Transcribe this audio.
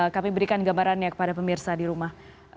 kami berikan gambarannya kepada pemirsa di rumah